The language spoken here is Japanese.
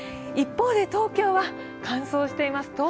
一方で東京は乾燥しています。